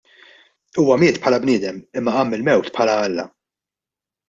Huwa miet bħala bniedem, imma qam mill-mewt bħala alla.